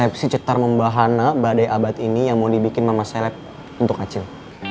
epsi cetar membahana badai abad ini yang mau dibikin mama seleb untuk acil